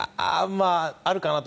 あるかなと。